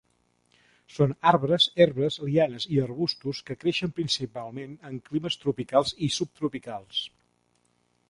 Són arbres, herbes, lianes i arbustos que creixen principalment en climes tropicals i subtropicals.